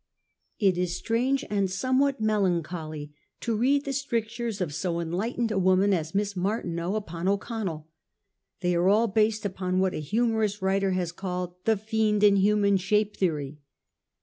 It is strange and somewhat melancholy to read the strictures of so enlightened a woman as Miss Marti neau upon O'Connell. They are all based upon what a humorous writer has called the £ fiend in human shape theory.